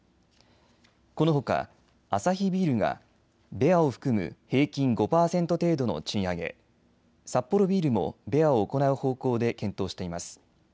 このほかアサヒビールがベアを含む平均５％程度の賃上げ、サッポロビールもベアを行う方向で検討しています。